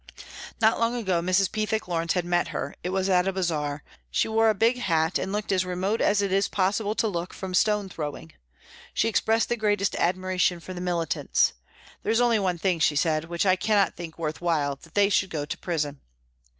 Not long ago Mrs. Pethick Lawrence had met her, it was at a bazaar. She wore a big hat and looked as remote as it is possible to look from stone throwing. She expressed the greatest admiration for the militants. " There is only one thing," she said, " which I cannot think worth while that they should go to prison."